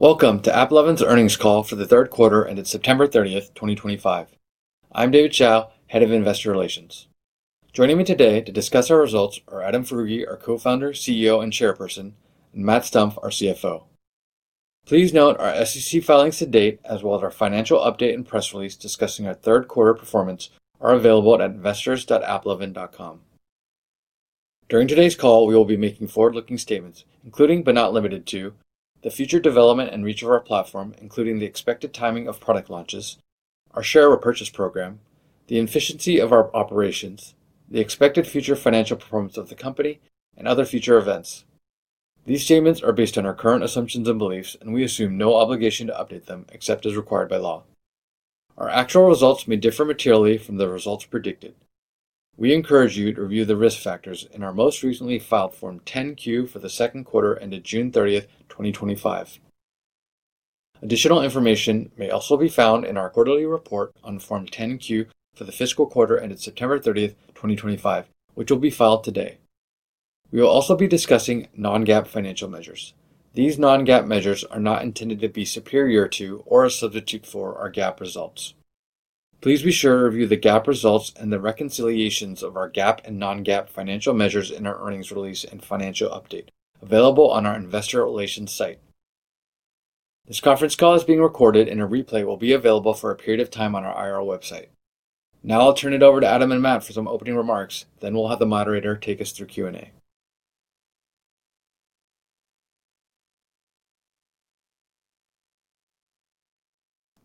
Welcome to AppLovin's earnings call for the third quarter, and it's September 30th, 2025. I'm David Hsiao, Head of Investor Relations. Joining me today to discuss our results are Adam Foroughi, our Co-Founder, CEO, and Chairperson, and Matt Stumpf, our CFO. Please note our SEC filings to date, as well as our financial update and press release discussing our third quarter performance, are available at investors.applovin.com. During today's call, we will be making forward-looking statements, including but not limited to the future development and reach of our platform, including the expected timing of product launches, our share or purchase program, the efficiency of our operations, the expected future financial performance of the company, and other future events. These statements are based on our current assumptions and beliefs, and we assume no obligation to update them except as required by law. Our actual results may differ materially from the results predicted. We encourage you to review the risk factors in our most recently filed Form 10Q for the second quarter ended June 30th, 2025. Additional information may also be found in our quarterly report on Form 10Q for the fiscal quarter ended September 30th, 2025, which will be filed today. We will also be discussing non-GAAP financial measures. These non-GAAP measures are not intended to be superior to or a substitute for our GAAP results. Please be sure to review the GAAP results and the reconciliations of our GAAP and non-GAAP financial measures in our earnings release and financial update, available on our Investor Relations site. This conference call is being recorded, and a replay will be available for a period of time on our IR website. Now I'll turn it over to Adam and Matt for some opening remarks, then we'll have the moderator take us through Q&A.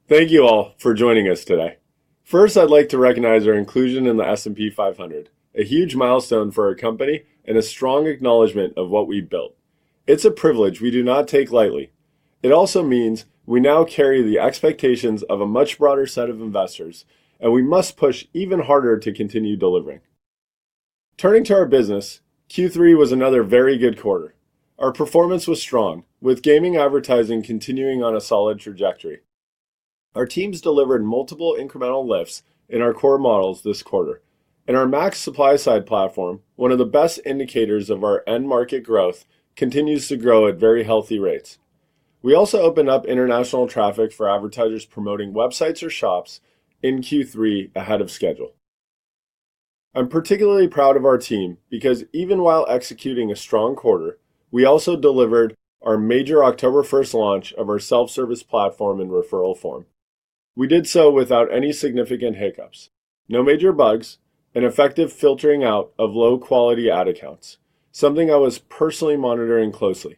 Thank you all for joining us today. First, I'd like to recognize our inclusion in the S&P 500, a huge milestone for our company and a strong acknowledgment of what we built. It's a privilege we do not take lightly. It also means we now carry the expectations of a much broader set of investors, and we must push even harder to continue delivering. Turning to our business, Q3 was another very good quarter. Our performance was strong, with gaming advertising continuing on a solid trajectory. Our teams delivered multiple incremental lifts in our core models this quarter, and our MAX supply side platform, one of the best indicators of our end market growth, continues to grow at very healthy rates. We also opened up international traffic for advertisers promoting websites or shops in Q3 ahead of schedule. I'm particularly proud of our team because even while executing a strong quarter, we also delivered our major October 1 launch of our self-service platform and referral form. We did so without any significant hiccups, no major bugs, and effective filtering out of low-quality ad accounts, something I was personally monitoring closely.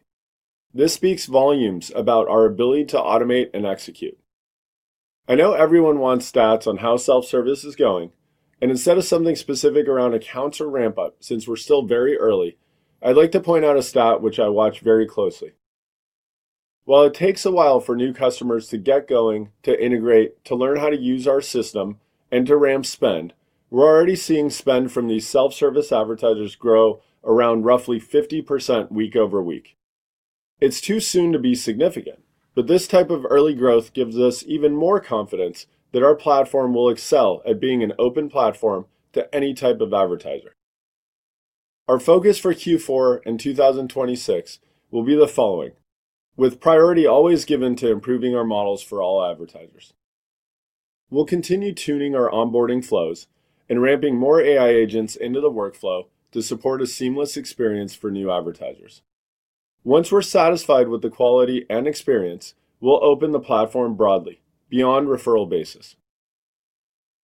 This speaks volumes about our ability to automate and execute. I know everyone wants stats on how self-service is going, and instead of something specific around accounts or ramp-up, since we're still very early, I'd like to point out a stat which I watch very closely. While it takes a while for new customers to get going, to integrate, to learn how to use our system, and to ramp spend, we're already seeing spend from these self-service advertisers grow around roughly 50% week-over-week. It's too soon to be significant, but this type of early growth gives us even more confidence that our platform will excel at being an open platform to any type of advertiser. Our focus for Q4 and 2026 will be the following, with priority always given to improving our models for all advertisers. We'll continue tuning our onboarding flows and ramping more AI agents into the workflow to support a seamless experience for new advertisers. Once we're satisfied with the quality and experience, we'll open the platform broadly, beyond referral basis.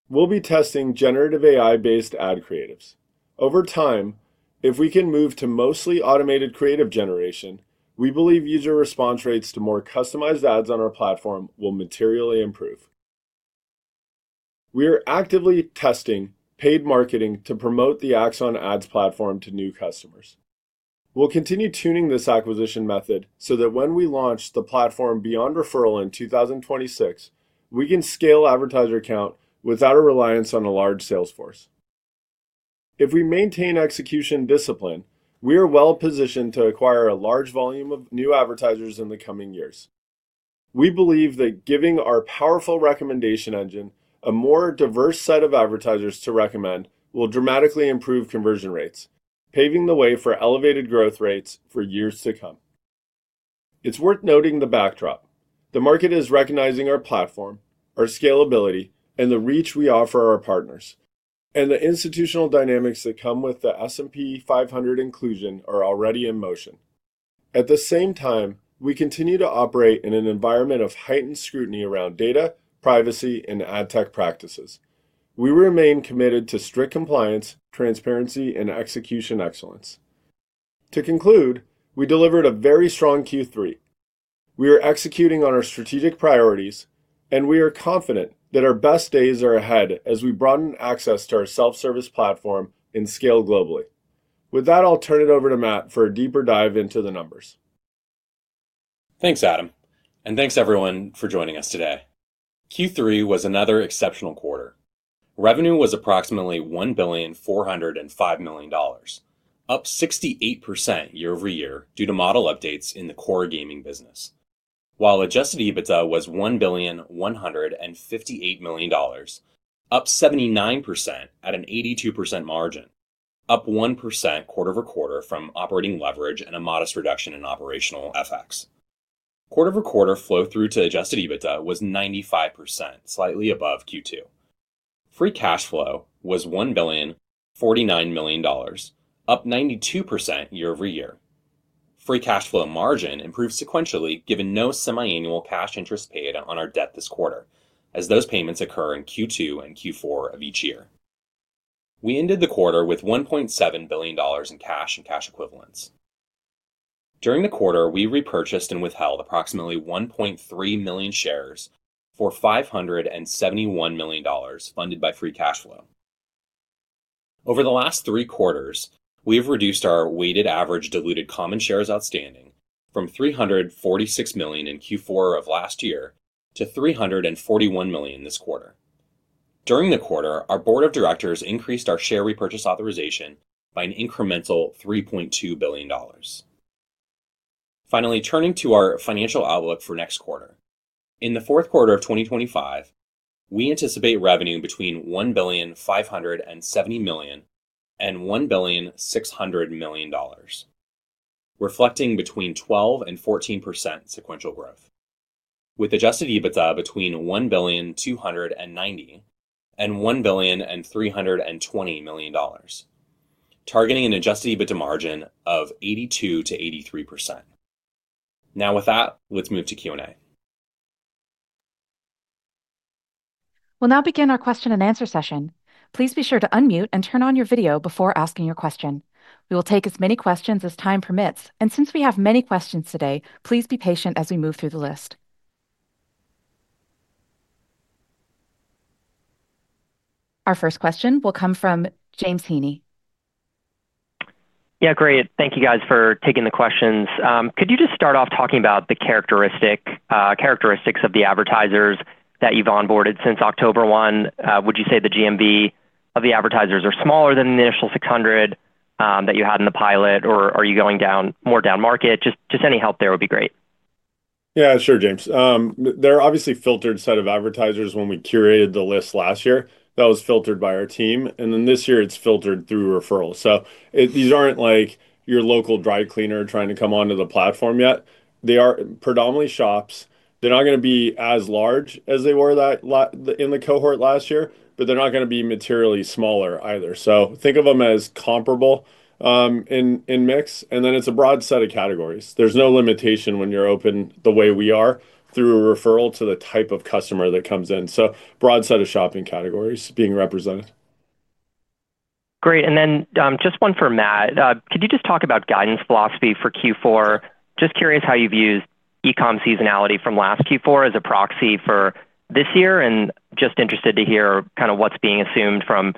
We'll be testing generative AI-based ad creatives. Over time, if we can move to mostly automated creative generation, we believe user response rates to more customized ads on our platform will materially improve. We are actively testing paid marketing to promote the Axon Ads platform to new customers. We'll continue tuning this acquisition method so that when we launch the platform beyond referral in 2026, we can scale advertiser count without a reliance on a large sales force. If we maintain execution discipline, we are well positioned to acquire a large volume of new advertisers in the coming years. We believe that giving our powerful recommendation engine a more diverse set of advertisers to recommend will dramatically improve conversion rates, paving the way for elevated growth rates for years to come. It's worth noting the backdrop. The market is recognizing our platform, our scalability, and the reach we offer our partners, and the institutional dynamics that come with the S&P 500 inclusion are already in motion. At the same time, we continue to operate in an environment of heightened scrutiny around data, privacy, and ad tech practices. We remain committed to strict compliance, transparency, and execution excellence. To conclude, we delivered a very strong Q3. We are executing on our strategic priorities, and we are confident that our best days are ahead as we broaden access to our self-service platform and scale globally. With that, I'll turn it over to Matt for a deeper dive into the numbers. Thanks, Adam, and thanks everyone for joining us today. Q3 was another exceptional quarter. Revenue was approximately $1,405 million, up 68% year-over-year due to model updates in the core gaming business, while Adjusted EBITDA was $1,158 million, up 79% at an 82% margin, up 1% quarter-over-quarter from operating leverage and a modest reduction in operational FX. Quarter over quarter flow through to Adjusted EBITDA was 95%, slightly above Q2. Free cash flow was $1,049 million, up 92% year-over-year. Free cash flow margin improved sequentially given no semiannual cash interest paid on our debt this quarter, as those payments occur in Q2 and Q4 of each year. We ended the quarter with $1.7 billion in cash and cash equivalents. During the quarter, we repurchased and withheld approximately 1.3 million shares for $571 million funded by free cash flow. Over the last three quarters, we have reduced our weighted average diluted common shares outstanding from $346 million in Q4 of last year to $341 million this quarter. During the quarter, our board of directors increased our share repurchase authorization by an incremental $3.2 billion. Finally, turning to our financial outlook for next quarter, in the fourth quarter of 2025, we anticipate revenue between $1,570 million and $1,600 million. Reflecting between 12% and 14% sequential growth, with Adjusted EBITDA between $1,290 million and $1,320 million, targeting an Adjusted EBITDA margin of 82%-83%. Now with that, let's move to Q&A. We'll now begin our question and answer session. Please be sure to unmute and turn on your video before asking your question. We will take as many questions as time permits, and since we have many questions today, please be patient as we move through the list. Our first question will come from James Heaney. Yeah, great. Thank you guys for taking the questions. Could you just start off talking about the characteristics of the advertisers that you've onboarded since October 1? Would you say the GMV of the advertisers are smaller than the initial 600 that you had in the pilot, or are you going more down market? Just any help there would be great. Yeah, sure, James. They're obviously a filtered set of advertisers when we curated the list last year. That was filtered by our team, and then this year it's filtered through referrals. These aren't like your local dry cleaner trying to come onto the platform yet. They are predominantly shops. They're not going to be as large as they were in the cohort last year, but they're not going to be materially smaller either. Think of them as comparable in mix, and then it's a broad set of categories. There's no limitation when you're open the way we are through a referral to the type of customer that comes in. Broad set of shopping categories being represented. Great. Just one for Matt. Could you just talk about guidance philosophy for Q4? Just curious how you've used e-com seasonality from last Q4 as a proxy for this year and just interested to hear kind of what's being assumed from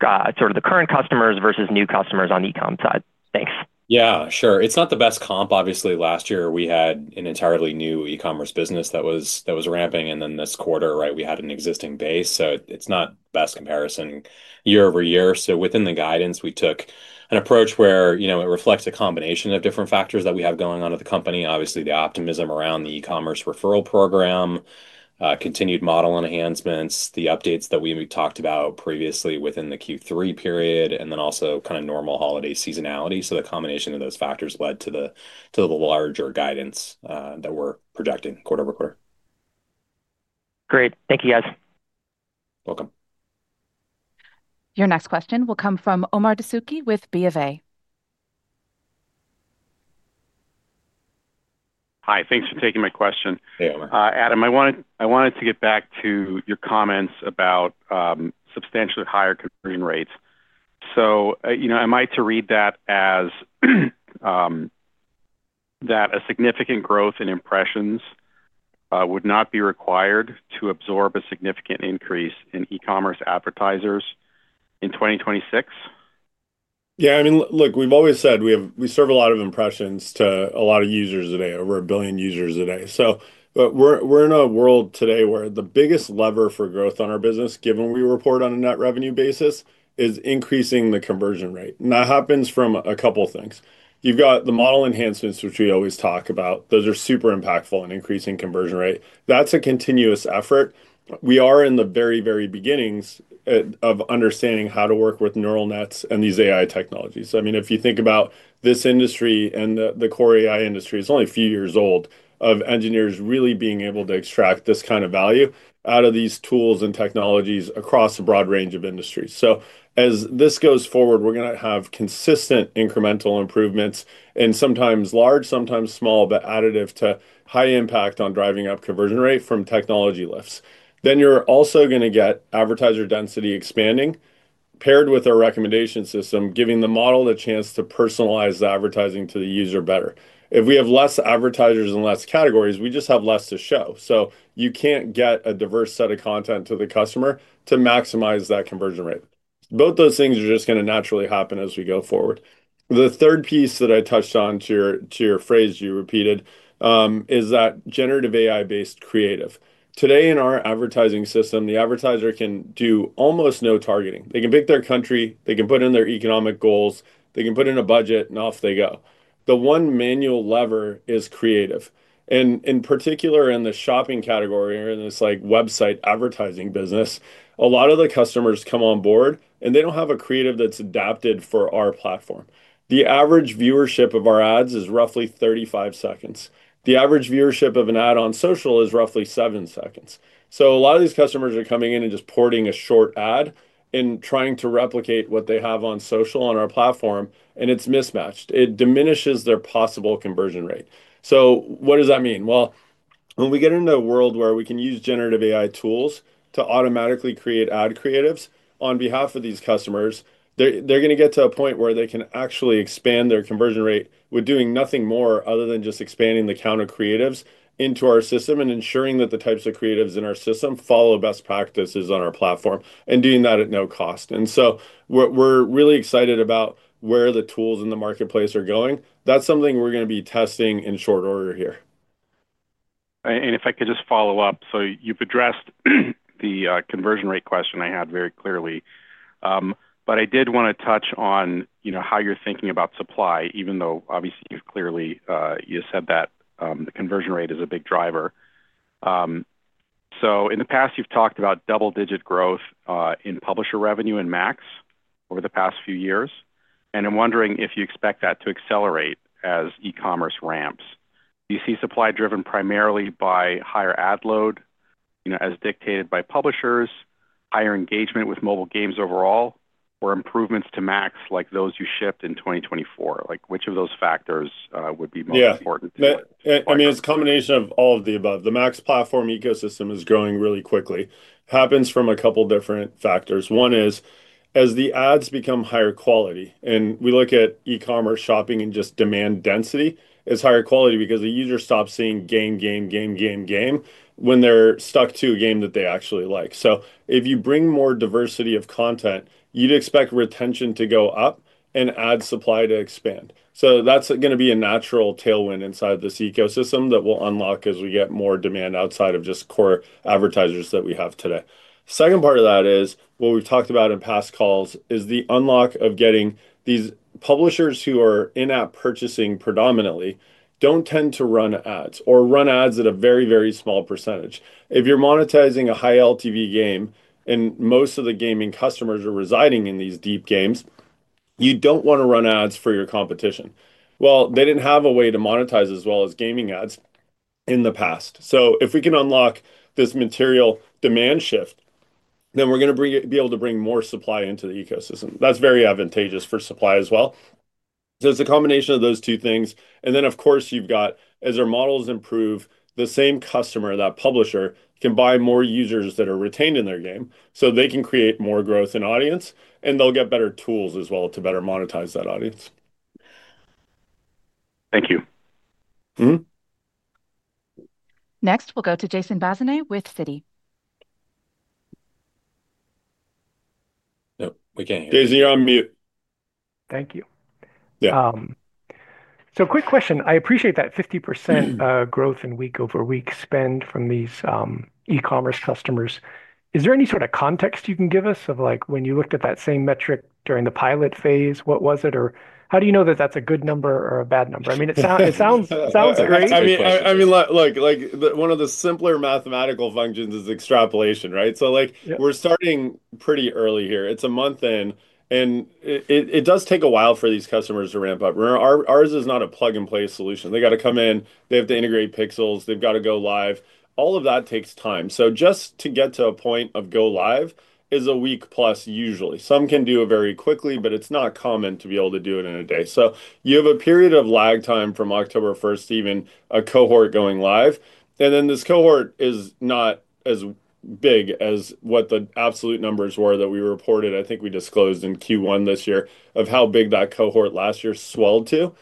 sort of the current customers versus new customers on the e-com side. Thanks. Yeah, sure. It's not the best comp. Obviously, last year we had an entirely new e-commerce business that was ramping, and then this quarter, right, we had an existing base. It's not the best comparison year over year. Within the guidance, we took an approach where it reflects a combination of different factors that we have going on at the company. Obviously, the optimism around the e-commerce referral program, continued model enhancements, the updates that we talked about previously within the Q3 period, and then also kind of normal holiday seasonality. The combination of those factors led to the larger guidance that we're projecting quarter-over-quarter. Great. Thank you, guys. Welcome. Your next question will come from Omar Dessouky with BofA. Hi, thanks for taking my question. Adam, I wanted to get back to your comments about substantially higher conversion rates. So I might read that as that a significant growth in impressions would not be required to absorb a significant increase in e-commerce advertisers in 2026. Yeah, I mean, look, we've always said we serve a lot of impressions to a lot of users today, over a billion users today. We are in a world today where the biggest lever for growth on our business, given we report on a net revenue basis, is increasing the conversion rate. That happens from a couple of things. You've got the model enhancements, which we always talk about. Those are super impactful in increasing conversion rate. That's a continuous effort. We are in the very, very beginnings of understanding how to work with neural nets and these AI technologies. I mean, if you think about this industry and the core AI industry, it's only a few years old of engineers really being able to extract this kind of value out of these tools and technologies across a broad range of industries. As this goes forward, we're going to have consistent incremental improvements and sometimes large, sometimes small, but additive to high impact on driving up conversion rate from technology lifts. You're also going to get advertiser density expanding, paired with our recommendation system, giving the model a chance to personalize the advertising to the user better. If we have fewer advertisers and fewer categories, we just have less to show. You can't get a diverse set of content to the customer to maximize that conversion rate. Both those things are just going to naturally happen as we go forward. The third piece that I touched on to your phrase you repeated is that generative AI-based creative. Today, in our advertising system, the advertiser can do almost no targeting. They can pick their country, they can put in their economic goals, they can put in a budget, and off they go. The one manual lever is creative. In particular, in the shopping category or in this website advertising business, a lot of the customers come on board, and they do not have a creative that is adapted for our platform. The average viewership of our ads is roughly 35 seconds. The average viewership of an ad on social is roughly seven seconds. A lot of these customers are coming in and just porting a short ad and trying to replicate what they have on social on our platform, and it is mismatched. It diminishes their possible conversion rate. What does that mean? When we get into a world where we can use generative AI tools to automatically create ad creatives on behalf of these customers, they're going to get to a point where they can actually expand their conversion rate with doing nothing more other than just expanding the count of creatives into our system and ensuring that the types of creatives in our system follow best practices on our platform and doing that at no cost. We are really excited about where the tools in the marketplace are going. That is something we are going to be testing in short order here. If I could just follow up, you've addressed the conversion rate question I had very clearly. I did want to touch on how you're thinking about supply, even though obviously you've clearly said that the conversion rate is a big driver. In the past, you've talked about double-digit growth in publisher revenue and MAX over the past few years. I'm wondering if you expect that to accelerate as e-commerce ramps. Do you see supply driven primarily by higher ad load as dictated by publishers, higher engagement with mobile games overall, or improvements to MAX like those you shipped in 2024? Which of those factors would be most important to you? Yeah, I mean, it's a combination of all of the above. The MAX platform ecosystem is growing really quickly. It happens from a couple of different factors. One is as the ads become higher quality, and we look at e-commerce shopping and just demand density as higher quality because the user stops seeing game, game, game, game, game when they're stuck to a game that they actually like. If you bring more diversity of content, you'd expect retention to go up and ad supply to expand. That's going to be a natural tailwind inside this ecosystem that will unlock as we get more demand outside of just core advertisers that we have today. The second part of that is what we've talked about in past calls is the unlock of getting these publishers who are in-app purchasing predominantly don't tend to run ads or run ads at a very, very small percentage. If you're monetizing a high LTV game and most of the gaming customers are residing in these deep games, you don't want to run ads for your competition. They didn't have a way to monetize as well as gaming ads in the past. If we can unlock this material demand shift, then we're going to be able to bring more supply into the ecosystem. That's very advantageous for supply as well. It's a combination of those two things. Of course, you've got, as our models improve, the same customer, that publisher, can buy more users that are retained in their game. They can create more growth in audience, and they'll get better tools as well to better monetize that audience. Thank you. Next, we'll go to Jason Bazinet with Citi. No, we can't hear you. Jason, you're on mute. Thank you. Yeah. Quick question. I appreciate that 50% growth in week-over-week spend from these e-commerce customers. Is there any sort of context you can give us of when you looked at that same metric during the pilot phase? What was it? Or how do you know that that's a good number or a bad number? I mean, it sounds great. I mean, look, one of the simpler mathematical functions is extrapolation, right? So we're starting pretty early here. It's a month in, and it does take a while for these customers to ramp up. Ours is not a plug-and-play solution. They got to come in, they have to integrate pixels, they've got to go live. All of that takes time. Just to get to a point of go live is a week plus usually. Some can do it very quickly, but it's not common to be able to do it in a day. You have a period of lag time from October 1st to even a cohort going live. This cohort is not as big as what the absolute numbers were that we reported, I think we disclosed in Q1 this year, of how big that cohort last year swelled to.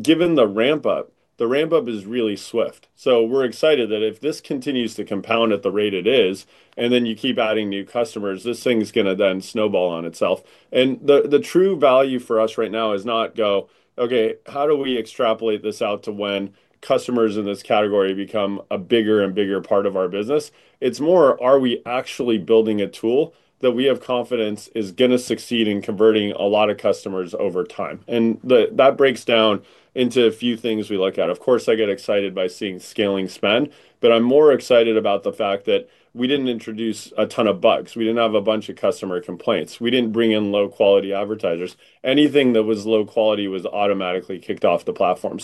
Given the ramp-up, the ramp-up is really swift. We are excited that if this continues to compound at the rate it is, and then you keep adding new customers, this thing is going to then snowball on itself. The true value for us right now is not, okay, how do we extrapolate this out to when customers in this category become a bigger and bigger part of our business? It is more, are we actually building a tool that we have confidence is going to succeed in converting a lot of customers over time? That breaks down into a few things we look at. Of course, I get excited by seeing scaling spend, but I am more excited about the fact that we did not introduce a ton of bugs. We did not have a bunch of customer complaints. We did not bring in low-quality advertisers. Anything that was low quality was automatically kicked off the platform.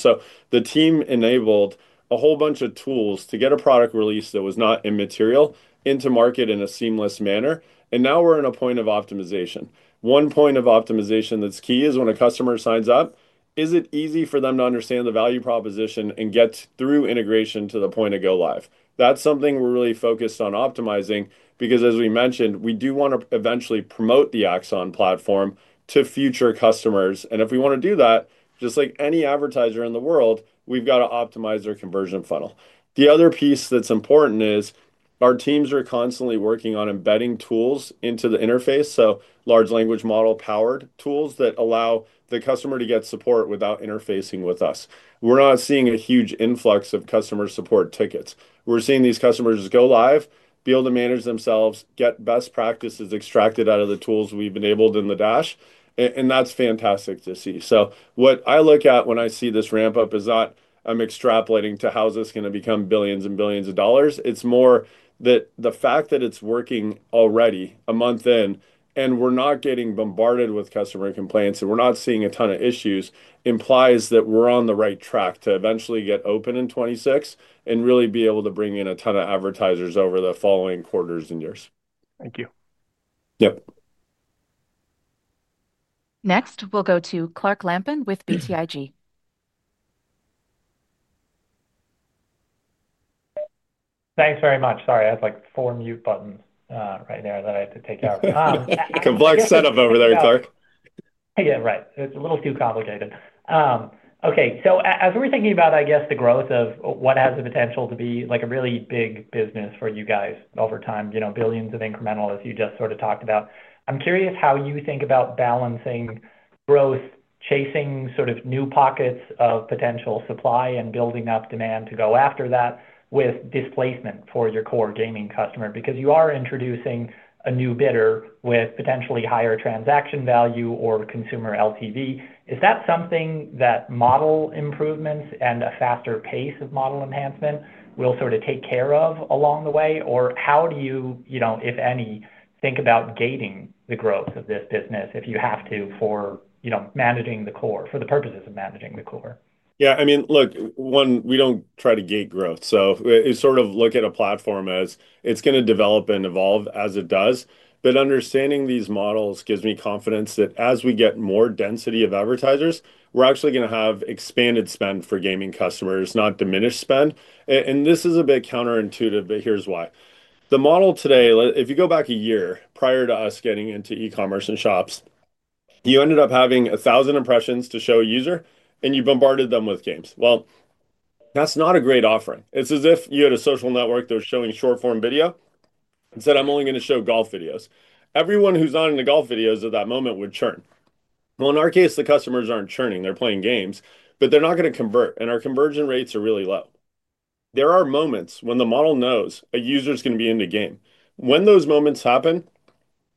The team enabled a whole bunch of tools to get a product release that was not immaterial into market in a seamless manner. Now we're in a point of optimization. One point of optimization that's key is when a customer signs up, is it easy for them to understand the value proposition and get through integration to the point of go live? That's something we're really focused on optimizing because, as we mentioned, we do want to eventually promote the Axon platform to future customers. If we want to do that, just like any advertiser in the world, we've got to optimize their conversion funnel. The other piece that's important is our teams are constantly working on embedding tools into the interface, so large language model-powered tools that allow the customer to get support without interfacing with us. We're not seeing a huge influx of customer support tickets. We're seeing these customers go live, be able to manage themselves, get best practices extracted out of the tools we've enabled in the dash. That's fantastic to see. What I look at when I see this ramp-up is not I'm extrapolating to how this is going to become billions and billions of dollars. It's more that the fact that it's working already a month in and we're not getting bombarded with customer complaints and we're not seeing a ton of issues implies that we're on the right track to eventually get open in 2026 and really be able to bring in a ton of advertisers over the following quarters and years. Thank you. Yep. Next, we'll go to Clark Lampin with BTIG. Thanks very much. Sorry, I have four mute buttons right there that I have to take out. Complex setup over there, Clark. Yeah, right. It's a little too complicated. Okay, as we're thinking about, I guess, the growth of what has the potential to be a really big business for you guys over time, billions of incremental, as you just sort of talked about, I'm curious how you think about balancing growth, chasing sort of new pockets of potential supply, and building up demand to go after that with displacement for your core gaming customer because you are introducing a new bidder with potentially higher transaction value or consumer LTV. Is that something that model improvements and a faster pace of model enhancement will sort of take care of along the way? Or how do you, if any, think about gating the growth of this business if you have to for managing the core, for the purposes of managing the core? Yeah, I mean, look, one, we don't try to gate growth. So we sort of look at a platform as it's going to develop and evolve as it does. But understanding these models gives me confidence that as we get more density of advertisers, we're actually going to have expanded spend for gaming customers, not diminished spend. And this is a bit counterintuitive, but here's why. The model today, if you go back a year prior to us getting into e-commerce and shops, you ended up having 1,000 impressions to show a user, and you bombarded them with games. Well, that's not a great offering. It's as if you had a social network that was showing short-form video and said, "I'm only going to show golf videos." Everyone who's on the golf videos at that moment would churn. Well, in our case, the customers aren't churning. They're playing games, but they're not going to convert. Our conversion rates are really low. There are moments when the model knows a user is going to be in the game. When those moments happen,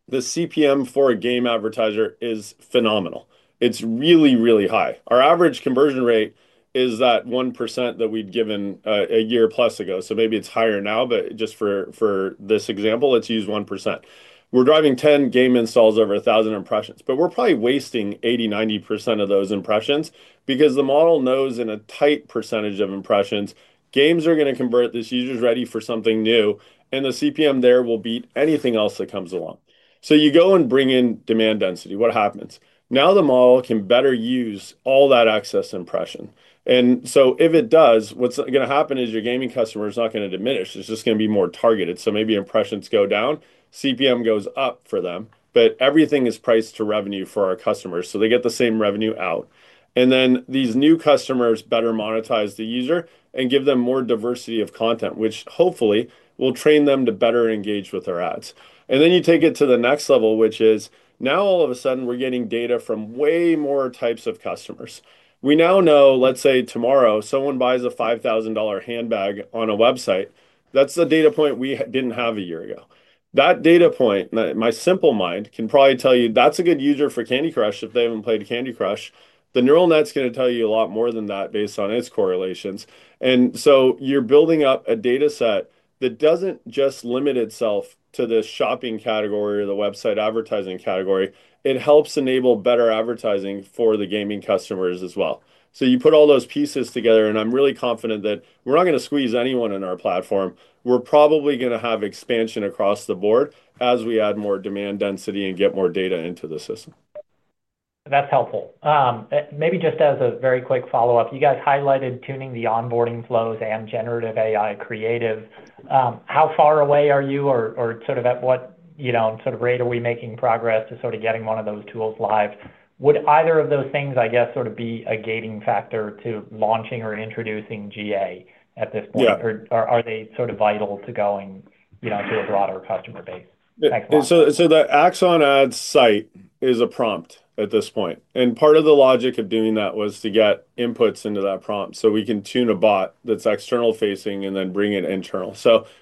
the CPM for a game advertiser is phenomenal. It's really, really high. Our average conversion rate is that 1% that we'd given a year plus ago. Maybe it's higher now, but just for this example, let's use 1%. We're driving 10 game installs over 1,000 impressions, but we're probably wasting 80%-90% of those impressions because the model knows in a tight percentage of impressions, games are going to convert, this user is ready for something new, and the CPM there will beat anything else that comes along. You go and bring in demand density. What happens? Now the model can better use all that excess impression. If it does, what's going to happen is your gaming customer is not going to diminish. It's just going to be more targeted. Maybe impressions go down, CPM goes up for them, but everything is priced to revenue for our customers so they get the same revenue out. These new customers better monetize the user and give them more diversity of content, which hopefully will train them to better engage with their ads. You take it to the next level, which is now all of a sudden we're getting data from way more types of customers. We now know, let's say tomorrow, someone buys a $5,000 handbag on a website. That's the data point we didn't have a year ago. That data point, my simple mind can probably tell you that's a good user for Candy Crush if they haven't played Candy Crush. The neural net's going to tell you a lot more than that based on its correlations. You are building up a data set that does not just limit itself to the shopping category or the website advertising category. It helps enable better advertising for the gaming customers as well. You put all those pieces together, and I am really confident that we are not going to squeeze anyone in our platform. We are probably going to have expansion across the board as we add more demand density and get more data into the system. That's helpful. Maybe just as a very quick follow-up, you guys highlighted tuning the onboarding flows and generative AI creative. How far away are you or sort of at what sort of rate are we making progress to sort of getting one of those tools live? Would either of those things, I guess, sort of be a gating factor to launching or introducing GA at this point? Or are they sort of vital to going to a broader customer base? The Axon Ad site is a prompt at this point. Part of the logic of doing that was to get inputs into that prompt so we can tune a bot that is external-facing and then bring it internal.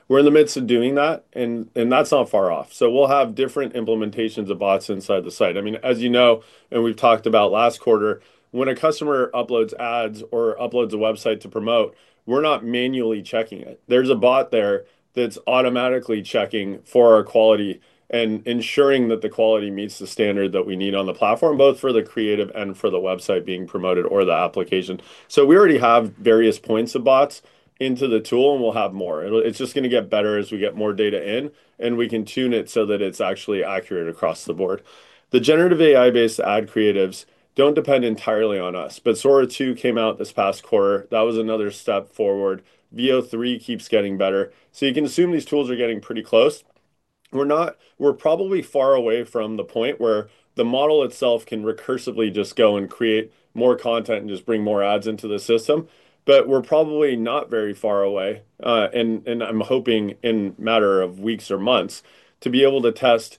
We are in the midst of doing that, and that is not far off. We will have different implementations of bots inside the site. I mean, as you know, and we talked about last quarter, when a customer uploads ads or uploads a website to promote, we are not manually checking it. There is a bot there that is automatically checking for our quality and ensuring that the quality meets the standard that we need on the platform, both for the creative and for the website being promoted or the application. We already have various points of bots into the tool, and we will have more. It's just going to get better as we get more data in, and we can tune it so that it's actually accurate across the board. The generative AI-based ad creatives don't depend entirely on us, but Sora 2 came out this past quarter. That was another step forward. VO3 keeps getting better. You can assume these tools are getting pretty close. We're probably far away from the point where the model itself can recursively just go and create more content and just bring more ads into the system. We're probably not very far away. I'm hoping in a matter of weeks or months to be able to test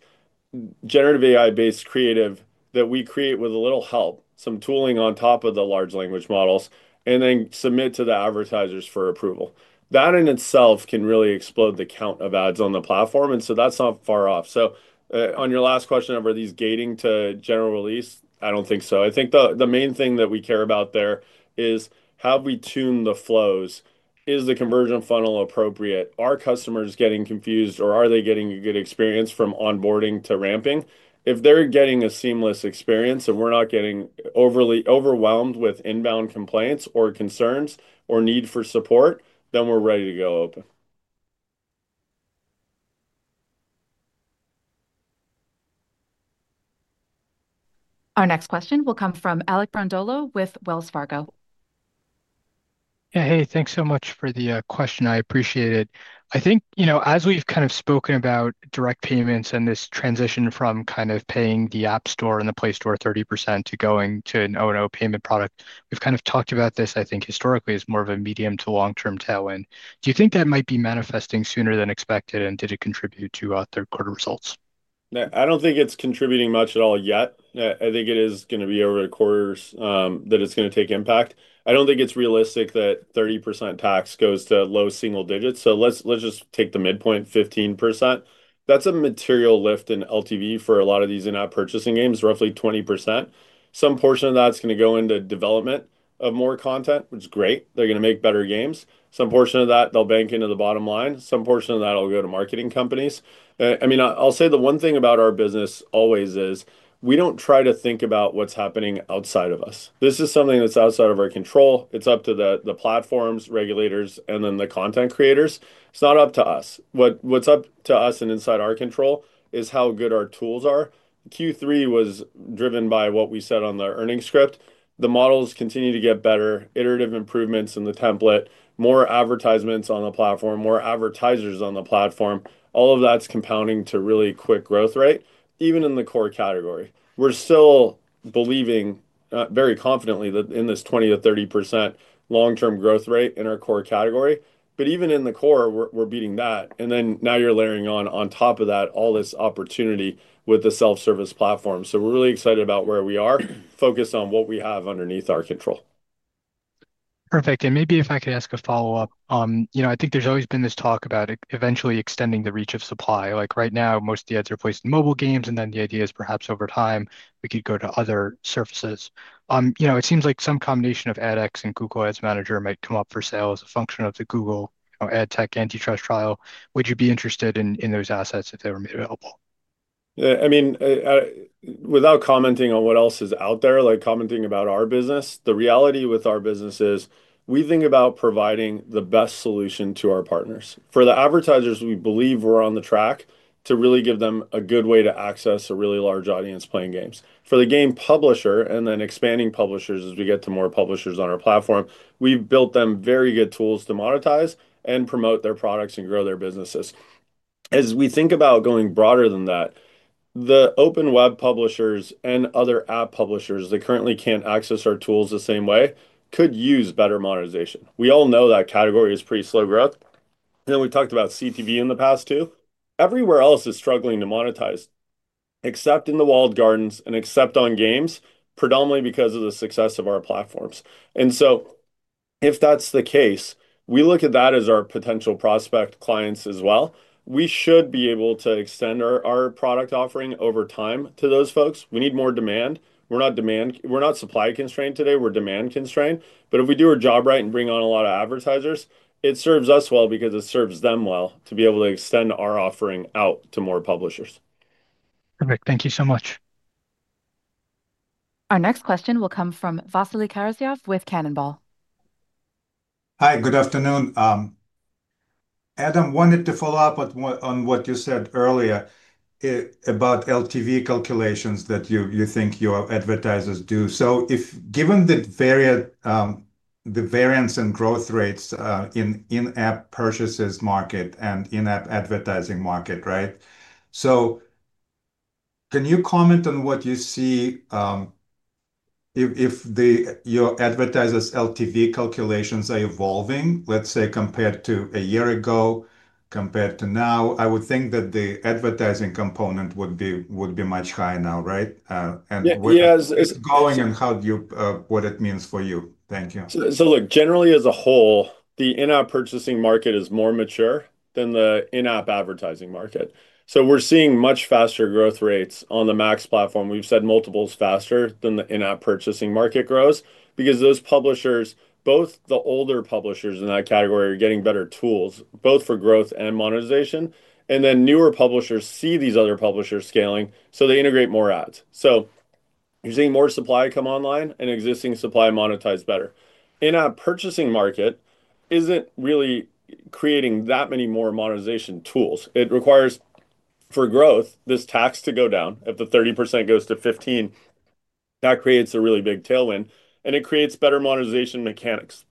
generative AI-based creative that we create with a little help, some tooling on top of the large language models, and then submit to the advertisers for approval. That in itself can really explode the count of ads on the platform. That is not far off. On your last question, are these gating to general release? I do not think so. I think the main thing that we care about there is have we tuned the flows? Is the conversion funnel appropriate? Are customers getting confused, or are they getting a good experience from onboarding to ramping? If they are getting a seamless experience and we are not getting overwhelmed with inbound complaints or concerns or need for support, then we are ready to go open. Our next question will come from Alec Brondolo with Wells Fargo. Yeah, hey, thanks so much for the question. I appreciate it. I think, you know, as we've kind of spoken about direct payments and this transition from kind of paying the App Store and the Play Store 30% to going to an O&O payment product, we've kind of talked about this, I think, historically as more of a medium to long-term tailwind. Do you think that might be manifesting sooner than expected, and did it contribute to third-quarter results? I don't think it's contributing much at all yet. I think it is going to be over the quarters that it's going to take impact. I don't think it's realistic that 30% tax goes to low single digits. Let's just take the midpoint, 15%. That's a material lift in LTV for a lot of these in-app purchasing games, roughly 20%. Some portion of that's going to go into development of more content, which is great. They're going to make better games. Some portion of that, they'll bank into the bottom line. Some portion of that will go to marketing companies. I mean, I'll say the one thing about our business always is we don't try to think about what's happening outside of us. This is something that's outside of our control. It's up to the platforms, regulators, and then the content creators. It's not up to us. What's up to us and inside our control is how good our tools are. Q3 was driven by what we said on the earnings script. The models continue to get better, iterative improvements in the template, more advertisements on the platform, more advertisers on the platform. All of that's compounding to really quick growth rate, even in the core category. We're still believing very confidently that in this 20%-30% long-term growth rate in our core category. But even in the core, we're beating that. Now you're layering on top of that all this opportunity with the self-service platform. We are really excited about where we are, focused on what we have underneath our control. Perfect. Maybe if I could ask a follow-up, you know, I think there's always been this talk about eventually extending the reach of supply. Like right now, most of the ads are placed in mobile games, and then the idea is perhaps over time we could go to other surfaces. You know, it seems like some combination of AdX and Google Ads Manager might come up for sale as a function of the Google Ad Tech antitrust trial. Would you be interested in those assets if they were made available? I mean. Without commenting on what else is out there, like commenting about our business, the reality with our business is we think about providing the best solution to our partners. For the advertisers, we believe we're on the track to really give them a good way to access a really large audience playing games. For the game publisher and then expanding publishers as we get to more publishers on our platform, we've built them very good tools to monetize and promote their products and grow their businesses. As we think about going broader than that. The open web publishers and other app publishers that currently can't access our tools the same way could use better monetization. We all know that category is pretty slow growth. We talked about CTV in the past too. Everywhere else is struggling to monetize, except in the walled gardens and except on games, predominantly because of the success of our platforms. If that is the case, we look at that as our potential prospect clients as well. We should be able to extend our product offering over time to those folks. We need more demand. We are not supply constrained today. We are demand constrained. If we do our job right and bring on a lot of advertisers, it serves us well because it serves them well to be able to extend our offering out to more publishers. Perfect. Thank you so much. Our next question will come from Vasily Karasyov with Cannonball. Hi, good afternoon. Adam, wanted to follow up on what you said earlier about LTV calculations that you think your advertisers do. So given the variance and growth rates in in-app purchases market and in-app advertising market, right? Can you comment on what you see? If your advertisers' LTV calculations are evolving, let's say compared to a year ago, compared to now, I would think that the advertising component would be much higher now, right? Going, and how do you, what it means for you? Thank you. Look, generally as a whole, the in-app purchasing market is more mature than the in-app advertising market. We're seeing much faster growth rates on the MAX platform. We've said multiples faster than the in-app purchasing market grows because those publishers, both the older publishers in that category, are getting better tools, both for growth and monetization. Then newer publishers see these other publishers scaling, so they integrate more ads. You're seeing more supply come online and existing supply monetize better. The in-app purchasing market isn't really creating that many more monetization tools. It requires for growth this tax to go down. If the 30% goes to 15%, that creates a really big tailwind, and it creates better monetization mechanics.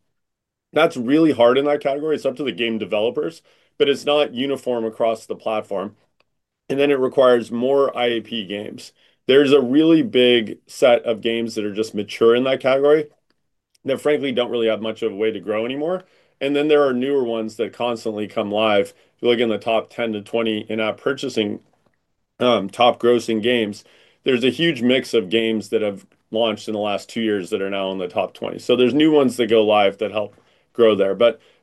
That's really hard in that category. It's up to the game developers, but it's not uniform across the platform. It requires more IAP games. There's a really big set of games that are just mature in that category that frankly do not really have much of a way to grow anymore. Then there are newer ones that constantly come live. If you look in the top 10-20 in-app purchasing, top grossing games, there's a huge mix of games that have launched in the last two years that are now in the top 20. There are new ones that go live that help grow there.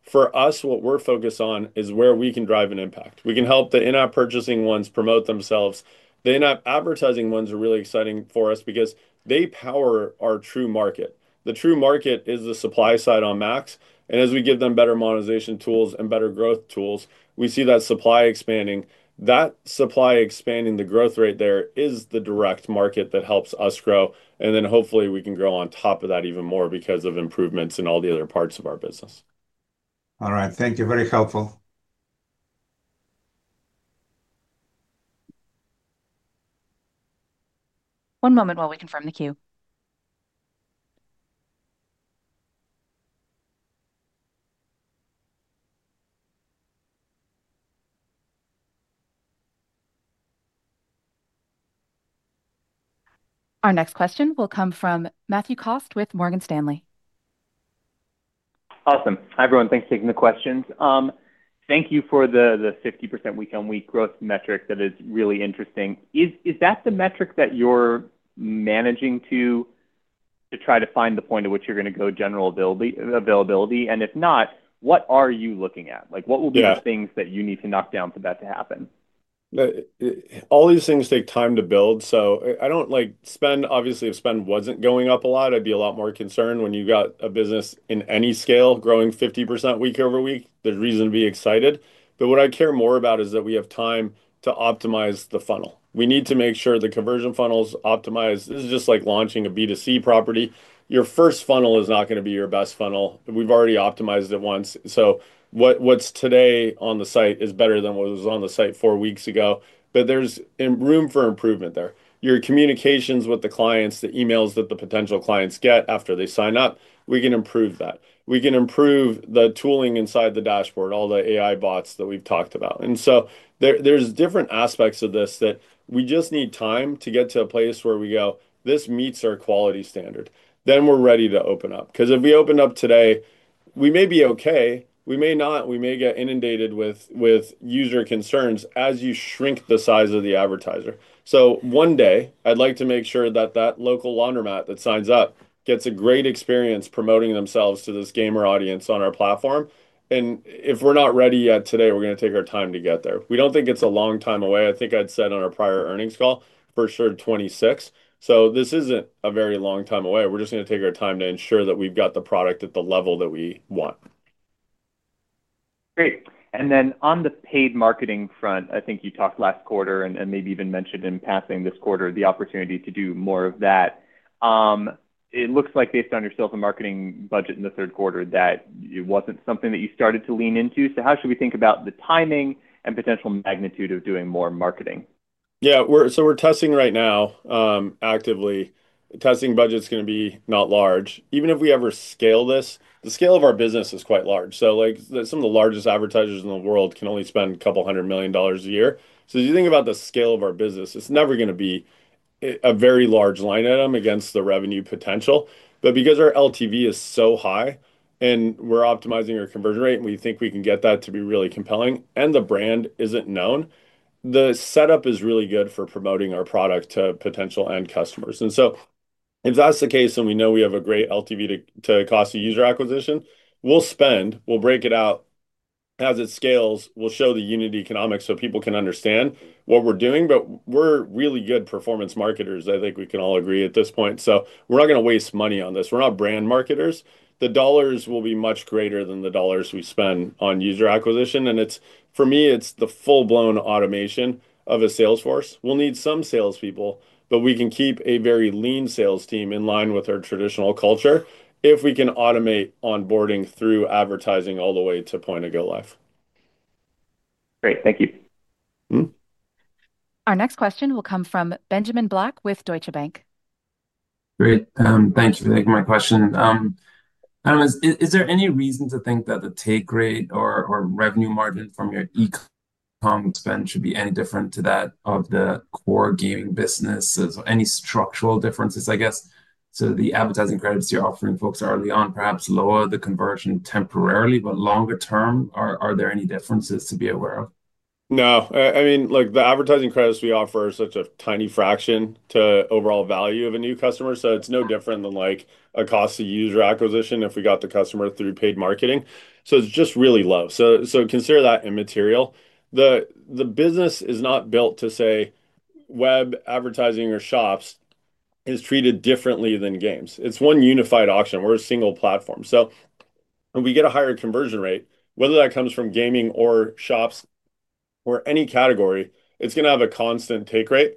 For us, what we are focused on is where we can drive an impact. We can help the in-app purchasing ones promote themselves. The in-app advertising ones are really exciting for us because they power our true market. The true market is the supply side on MAX. As we give them better monetization tools and better growth tools, we see that supply expanding. That supply expanding, the growth rate there is the direct market that helps us grow. Hopefully we can grow on top of that even more because of improvements in all the other parts of our business. All right. Thank you. Very helpful. One moment while we confirm the queue. Our next question will come from Matthew Cost with Morgan Stanley. Awesome. Hi everyone. Thanks for taking the questions. Thank you for the 50% week-on-week growth metric, that is really interesting. Is that the metric that you're managing to? Try to find the point at which you're going to go general availability? If not, what are you looking at? What will be the things that you need to knock down for that to happen? All these things take time to build. I do not like spend. Obviously, if spend was not going up a lot, I would be a lot more concerned when you got a business in any scale growing 50% week-over-week. There is reason to be excited. What I care more about is that we have time to optimize the funnel. We need to make sure the conversion funnel is optimized. This is just like launching a B2C property. Your first funnel is not going to be your best funnel. We have already optimized it once. What is today on the site is better than what was on the site four weeks ago. There is room for improvement there. Your communications with the clients, the emails that the potential clients get after they sign up, we can improve that. We can improve the tooling inside the dashboard, all the AI bots that we've talked about. There are different aspects of this that we just need time to get to a place where we go, this meets our quality standard. We are ready to open up. If we open up today, we may be okay. We may not. We may get inundated with user concerns as you shrink the size of the advertiser. One day, I'd like to make sure that that local laundromat that signs up gets a great experience promoting themselves to this gamer audience on our platform. If we're not ready yet today, we're going to take our time to get there. We do not think it's a long time away. I think I'd said on our prior earnings call, first quarter 2026. This is not a very long time away. We're just going to take our time to ensure that we've got the product at the level that we want. Great. On the paid marketing front, I think you talked last quarter and maybe even mentioned in passing this quarter the opportunity to do more of that. It looks like based on yourself and marketing budget in the third quarter that it was not something that you started to lean into. How should we think about the timing and potential magnitude of doing more marketing? Yeah. So we're testing right now. Actively testing. Budget is going to be not large. Even if we ever scale this, the scale of our business is quite large. Some of the largest advertisers in the world can only spend a couple hundred million dollars a year. If you think about the scale of our business, it's never going to be a very large line item against the revenue potential. Because our LTV is so high and we're optimizing our conversion rate and we think we can get that to be really compelling and the brand isn't known. The setup is really good for promoting our product to potential end customers. If that's the case and we know we have a great LTV to cost of user acquisition, we'll spend, we'll break it out. As it scales, we'll show the unit economics so people can understand what we're doing. But we're really good performance marketers, I think we can all agree at this point. So we're not going to waste money on this. We're not brand marketers. The dollars will be much greater than the dollars we spend on user acquisition. And for me, it's the full-blown automation of a sales force. We'll need some salespeople, but we can keep a very lean sales team in line with our traditional culture if we can automate onboarding through advertising all the way to point of go live. Great. Thank you. Our next question will come from Benjamin Black with Deutsche Bank. Great. Thank you for taking my question. Adam, is there any reason to think that the take rate or revenue margin from your e-com spend should be any different to that of the core gaming businesses? Any structural differences, I guess? The advertising credits you're offering folks early on, perhaps lower the conversion temporarily, but longer term, are there any differences to be aware of? No. I mean, look, the advertising credits we offer are such a tiny fraction to the overall value of a new customer. So it's no different than a cost of user acquisition if we got the customer through paid marketing. So it's just really low. So consider that immaterial. The business is not built to say web advertising or shops is treated differently than games. It's one unified auction. We're a single platform. When we get a higher conversion rate, whether that comes from gaming or shops or any category, it's going to have a constant take rate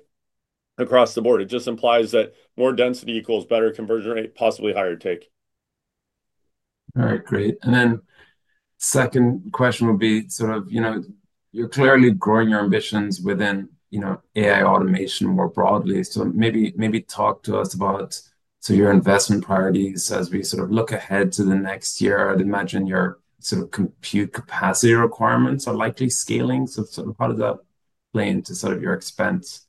across the board. It just implies that more density equals better conversion rate, possibly higher take. All right. Great. Then second question would be sort of, you're clearly growing your ambitions within AI automation more broadly. Maybe talk to us about your investment priorities as we sort of look ahead to the next year. I'd imagine your sort of compute capacity requirements are likely scaling. How does that play into your expense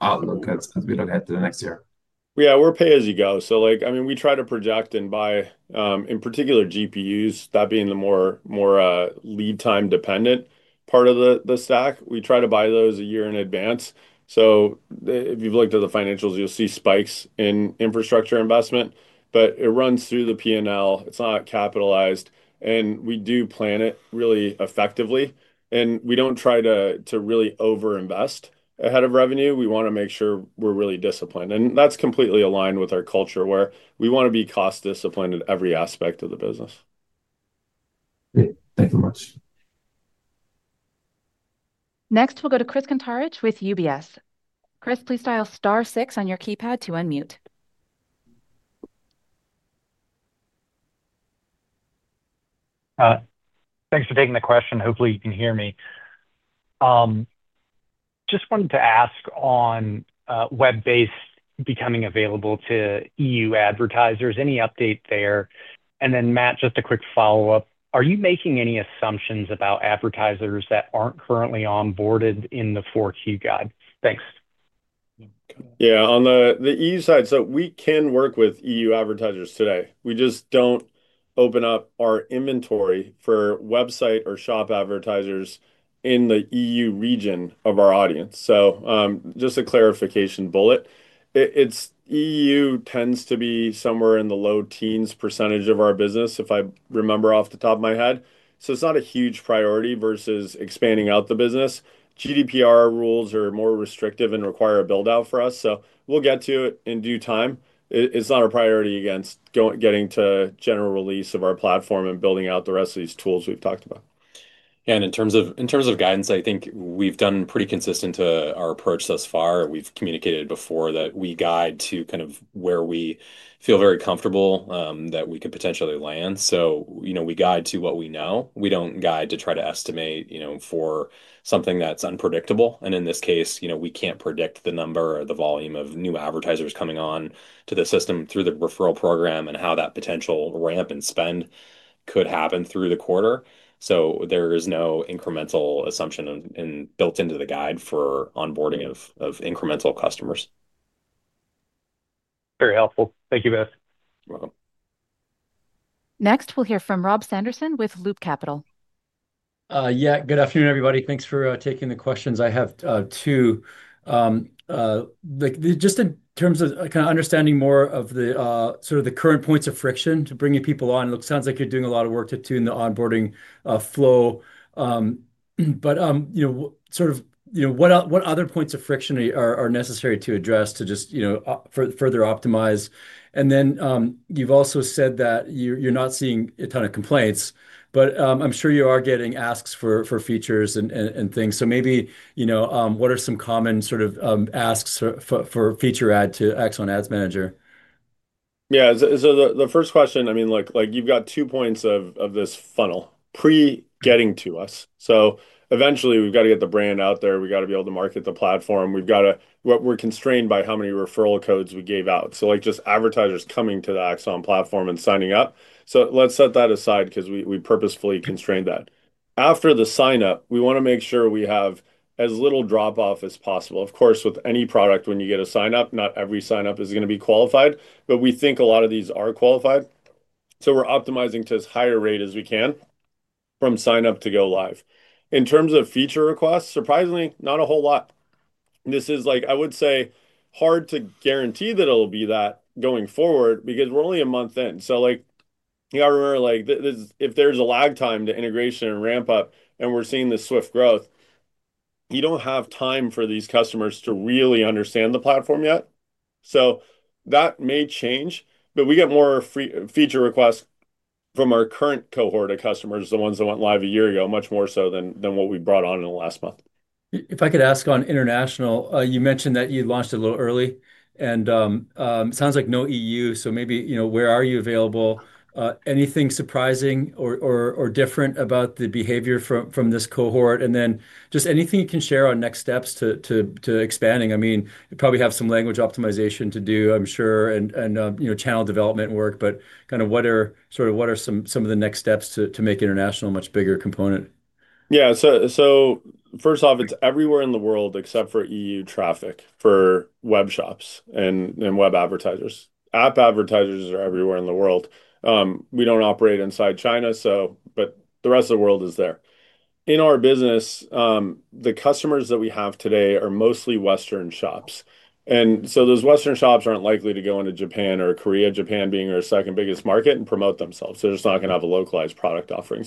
outlook as we look ahead to the next year? Yeah, we're pay as you go. I mean, we try to project and buy, in particular, GPUs, that being the more lead time dependent part of the stack. We try to buy those a year in advance. If you've looked at the financials, you'll see spikes in infrastructure investment, but it runs through the P&L. It's not capitalized. We do plan it really effectively. We don't try to really overinvest ahead of revenue. We want to make sure we're really disciplined. That's completely aligned with our culture where we want to be cost disciplined in every aspect of the business. Great. Thank you very much. Next, we'll go to Chris Kuntarich with UBS. Chris, please dial star six on your keypad to unmute. Thanks for taking the question. Hopefully, you can hear me. Just wanted to ask on web-based becoming available to EU advertisers, any update there? Then Matt, just a quick follow-up. Are you making any assumptions about advertisers that aren't currently onboarded in the Force You guide? Thanks. Yeah. On the EU side, we can work with EU advertisers today. We just do not open up our inventory for website or shop advertisers in the EU region of our audience. Just a clarification bullet. EU tends to be somewhere in the low teens percentage of our business, if I remember off the top of my head. It is not a huge priority versus expanding out the business. GDPR rules are more restrictive and require a build-out for us. We will get to it in due time. It is not a priority against getting to general release of our platform and building out the rest of these tools we have talked about. Yeah. In terms of guidance, I think we've done pretty consistent to our approach thus far. We've communicated before that we guide to kind of where we feel very comfortable that we could potentially land. We guide to what we know. We don't guide to try to estimate for something that's unpredictable. In this case, we can't predict the number or the volume of new advertisers coming on to the system through the referral program and how that potential ramp and spend could happen through the quarter. There is no incremental assumption built into the guide for onboarding of incremental customers. Very helpful. Thank you both. You're welcome. Next, we'll hear from Rob Sanderson with Loop Capital. Yeah. Good afternoon, everybody. Thanks for taking the questions. I have two. Just in terms of kind of understanding more of the sort of the current points of friction to bringing people on. It sounds like you're doing a lot of work to tune the onboarding flow. What other points of friction are necessary to address to just further optimize? You have also said that you're not seeing a ton of complaints, but I'm sure you are getting asks for features and things. Maybe what are some common sort of asks for feature add to Axon Ads Manager? Yeah. The first question, I mean, you've got two points of this funnel pre-getting to us. Eventually, we've got to get the brand out there. We've got to be able to market the platform. We're constrained by how many referral codes we gave out. Just advertisers coming to the Axon platform and signing up. Let's set that aside because we purposefully constrained that. After the sign-up, we want to make sure we have as little drop-off as possible. Of course, with any product, when you get a sign-up, not every sign-up is going to be qualified, but we think a lot of these are qualified. We're optimizing to as high a rate as we can from sign-up to go live. In terms of feature requests, surprisingly, not a whole lot. This is, I would say, hard to guarantee that it'll be that going forward because we're only a month in. You got to remember, if there's a lag time to integration and ramp up and we're seeing the swift growth. You don't have time for these customers to really understand the platform yet. That may change, but we get more feature requests from our current cohort of customers, the ones that went live a year ago, much more so than what we brought on in the last month. If I could ask on international, you mentioned that you launched a little early. It sounds like no EU. Maybe where are you available? Anything surprising or different about the behavior from this cohort? Anything you can share on next steps to expanding? I mean, you probably have some language optimization to do, I'm sure, and channel development work, but kind of what are some of the next steps to make international a much bigger component? Yeah. So first off, it's everywhere in the world except for EU traffic for web shops and web advertisers. App advertisers are everywhere in the world. We don't operate inside China, but the rest of the world is there. In our business, the customers that we have today are mostly Western shops. And so those Western shops aren't likely to go into Japan or Korea, Japan being our second biggest market, and promote themselves. They're just not going to have a localized product offering.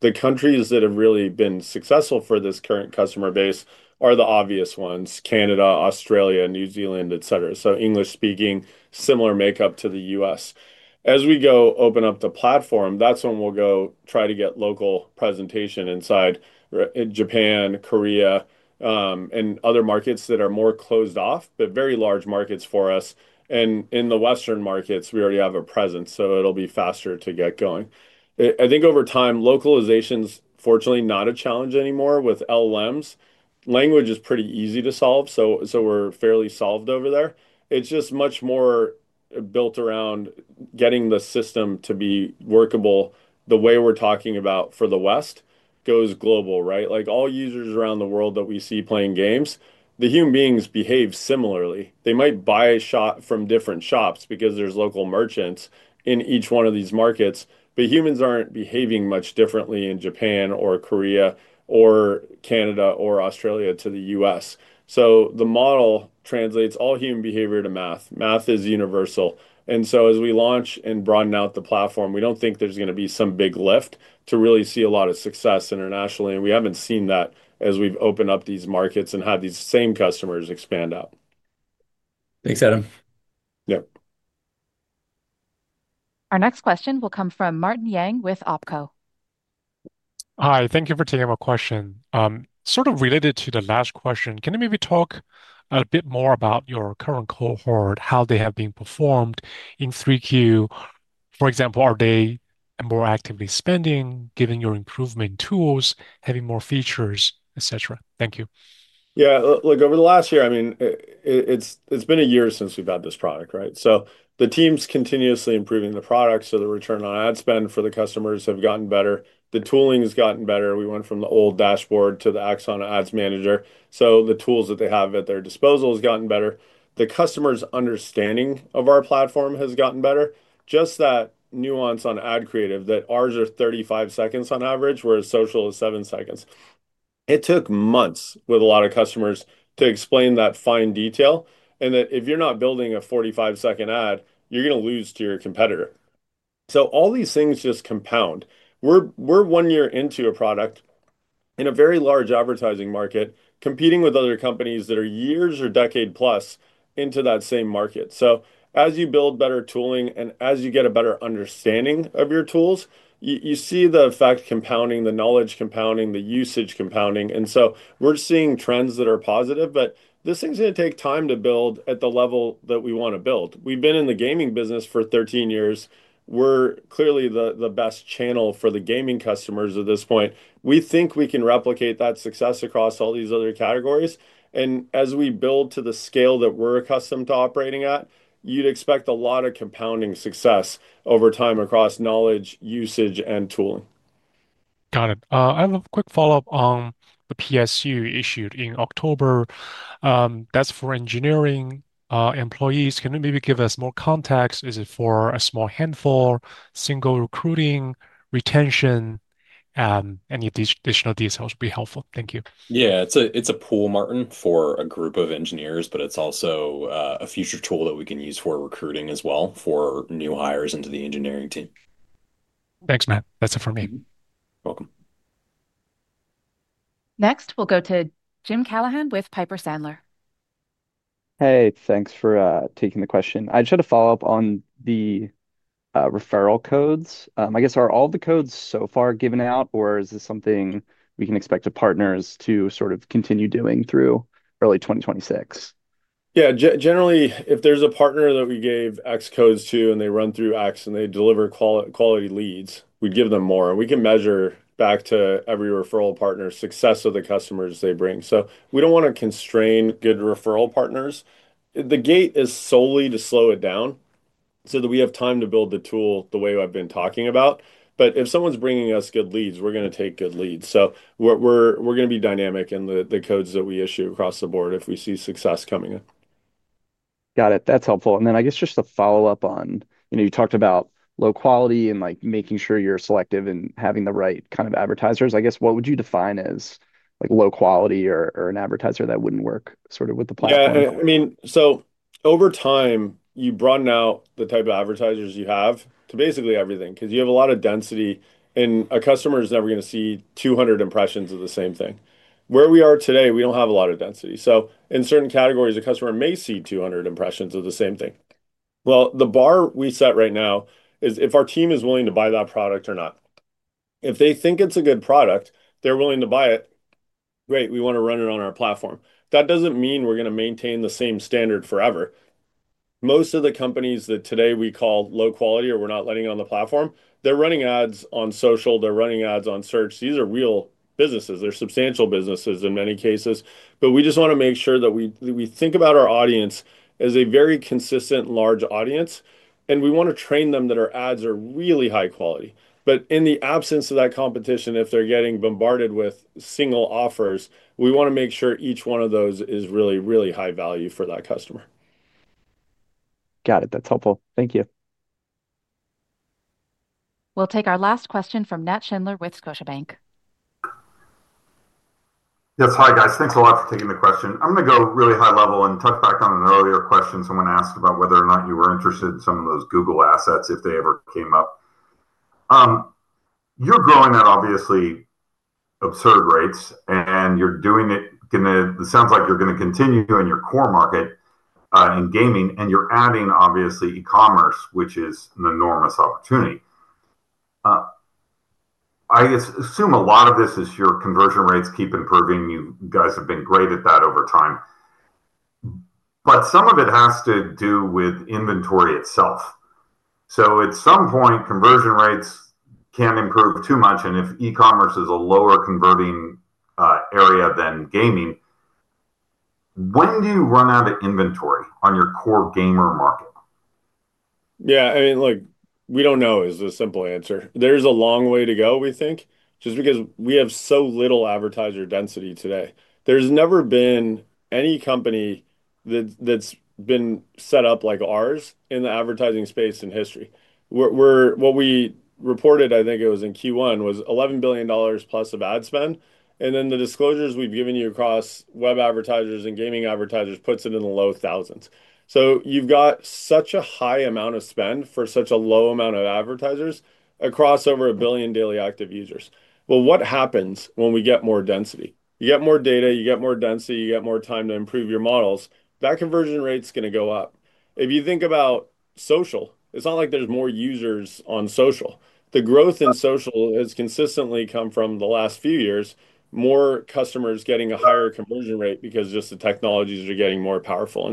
The countries that have really been successful for this current customer base are the obvious ones: Canada, Australia, New Zealand, etc. English-speaking, similar makeup to the U.S. As we go open up the platform, that's when we'll go try to get local presentation inside Japan, Korea, and other markets that are more closed off, but very large markets for us. In the Western markets, we already have a presence, so it'll be faster to get going. I think over time, localization is fortunately not a challenge anymore with LLMs. Language is pretty easy to solve, so we're fairly solved over there. It's just much more built around getting the system to be workable the way we're talking about for the West goes global, right? All users around the world that we see playing games, the human beings behave similarly. They might buy a shot from different shops because there's local merchants in each one of these markets, but humans aren't behaving much differently in Japan or Korea or Canada or Australia to the US. The model translates all human behavior to math. Math is universal. As we launch and broaden out the platform, we do not think there is going to be some big lift to really see a lot of success internationally. We have not seen that as we have opened up these markets and had these same customers expand out. Thanks, Adam. Yeah. Our next question will come from Martin Yang with Oppenheimer. Hi. Thank you for taking my question. Sort of related to the last question, can you maybe talk a bit more about your current cohort, how they have been performing in 3Q? For example, are they more actively spending, given your improvement tools, having more features, etc.? Thank you. Yeah. Look, over the last year, I mean, it's been a year since we've had this product, right? The team's continuously improving the product, so the return on ad spend for the customers have gotten better. The tooling has gotten better. We went from the old dashboard to the Axon Ads Manager. The tools that they have at their disposal have gotten better. The customer's understanding of our platform has gotten better. Just that nuance on ad creative that ours are 35 seconds on average, whereas social is 7 seconds. It took months with a lot of customers to explain that fine detail and that if you're not building a 45-second ad, you're going to lose to your competitor. All these things just compound. We're one year into a product in a very large advertising market competing with other companies that are years or decade-plus into that same market. As you build better tooling and as you get a better understanding of your tools, you see the effect compounding, the knowledge compounding, the usage compounding. We're seeing trends that are positive, but this thing's going to take time to build at the level that we want to build. We've been in the gaming business for 13 years. We're clearly the best channel for the gaming customers at this point. We think we can replicate that success across all these other categories. As we build to the scale that we're accustomed to operating at, you'd expect a lot of compounding success over time across knowledge, usage, and tooling. Got it. I have a quick follow-up on the PSU issued in October. That's for engineering employees. Can you maybe give us more context? Is it for a small handful, single recruiting, retention? Any additional details would be helpful. Thank you. Yeah. It's a pool, Martin, for a group of engineers, but it's also a future tool that we can use for recruiting as well for new hires into the engineering team. Thanks, Matt. That's it for me. You're welcome. Next, we'll go to Jim Callahan with Piper Sandler. Hey, thanks for taking the question. I just had a follow-up on the referral codes. I guess, are all the codes so far given out, or is this something we can expect our partners to sort of continue doing through early 2026? Yeah. Generally, if there's a partner that we gave X codes to and they run through X and they deliver quality leads, we give them more. We can measure back to every referral partner's success of the customers they bring. We do not want to constrain good referral partners. The gate is solely to slow it down. That way we have time to build the tool the way I've been talking about. If someone's bringing us good leads, we're going to take good leads. We're going to be dynamic in the codes that we issue across the board if we see success coming in. Got it. That's helpful. I guess just a follow-up on, you talked about low quality and making sure you're selective and having the right kind of advertisers. I guess, what would you define as low quality or an advertiser that wouldn't work sort of with the platform? Yeah. I mean, over time, you broaden out the type of advertisers you have to basically everything because you have a lot of density and a customer is never going to see 200 impressions of the same thing. Where we are today, we do not have a lot of density. In certain categories, a customer may see 200 impressions of the same thing. The bar we set right now is if our team is willing to buy that product or not. If they think it is a good product, they are willing to buy it, great. We want to run it on our platform. That does not mean we are going to maintain the same standard forever. Most of the companies that today we call low quality or we are not letting on the platform, they are running ads on social. They are running ads on search. These are real businesses. They're substantial businesses in many cases. We just want to make sure that we think about our audience as a very consistent large audience. We want to train them that our ads are really high quality. In the absence of that competition, if they're getting bombarded with single offers, we want to make sure each one of those is really, really high value for that customer. Got it. That's helpful. Thank you. We'll take our last question from Nat Schindler with Scotiabank. Yes. Hi, guys. Thanks a lot for taking the question. I'm going to go really high level and touch back on an earlier question someone asked about whether or not you were interested in some of those Google assets if they ever came up. You're growing at obviously absurd rates, and you're doing it. It sounds like you're going to continue in your core market in gaming, and you're adding obviously e-commerce, which is an enormous opportunity. I assume a lot of this is your conversion rates keep improving. You guys have been great at that over time. But some of it has to do with inventory itself. At some point, conversion rates can improve too much. If e-commerce is a lower converting area than gaming, when do you run out of inventory on your core gamer market? Yeah. I mean, we do not know is the simple answer. There is a long way to go, we think, just because we have so little advertiser density today. There has never been any company that has been set up like ours in the advertising space in history. What we reported, I think it was in Q1, was $11+ billion of ad spend. And then the disclosures we have given you across web advertisers and gaming advertisers puts it in the low thousands. You have got such a high amount of spend for such a low amount of advertisers across over a billion daily active users. What happens when we get more density? You get more data, you get more density, you get more time to improve your models. That conversion rate is going to go up. If you think about social, it is not like there are more users on social. The growth in social has consistently come from the last few years, more customers getting a higher conversion rate because just the technologies are getting more powerful.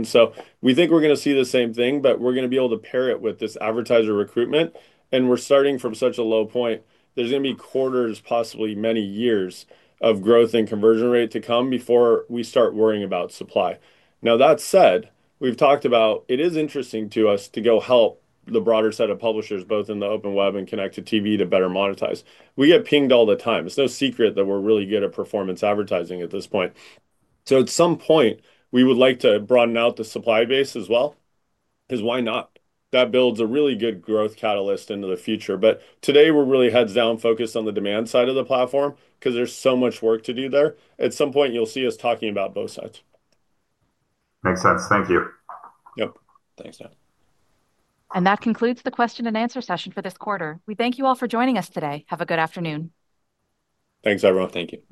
We think we're going to see the same thing, but we're going to be able to pair it with this advertiser recruitment. We're starting from such a low point. There's going to be quarters, possibly many years of growth and conversion rate to come before we start worrying about supply. That said, we've talked about it is interesting to us to go help the broader set of publishers, both in the open web and connected TV, to better monetize. We get pinged all the time. It's no secret that we're really good at performance advertising at this point. At some point, we would like to broaden out the supply base as well. Because why not? That builds a really good growth catalyst into the future. Today, we're really heads down focused on the demand side of the platform because there's so much work to do there. At some point, you'll see us talking about both sides. Makes sense. Thank you. Yep. Thanks, Nat. That concludes the question and answer session for this quarter. We thank you all for joining us today. Have a good afternoon. Thanks, everyone. Thank you.